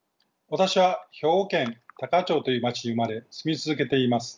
私は兵庫県多可町という町に生まれ住み続けています。